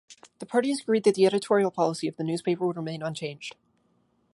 The parties agreed that the editorial policy of the newspaper would remain unchanged.